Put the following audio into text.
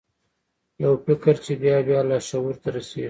یو فکر چې بیا بیا لاشعور ته رسیږي